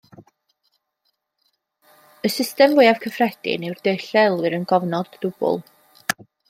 Y system fwyaf cyffredin yw'r dull a elwir yn gofnod dwbl.